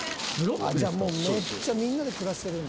じゃあもうめっちゃみんなで暮らしてるんだ。